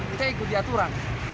kita ikut di aturan